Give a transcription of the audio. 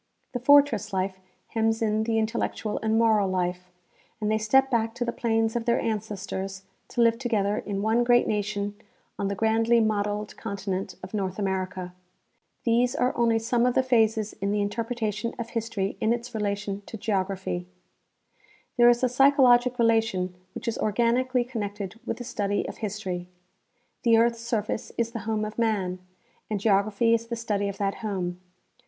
The for tress life hems in the intellectual and moral life, and they step back to the plains of their ancestors to live together in one great nation on the grandly modeled continent of North America. 18— Nat. Geog. Mas., vol. V, 1893. 130 F. W. Parker — Relation of Geography to History. These are only some of the phases in the interpretation of history in its relation to geography. There is a psychologic relation which is organically connected with the study of history. The earth's surface is the home of man, and geography is the study of that home.